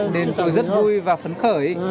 nên tôi rất vui và phấn khởi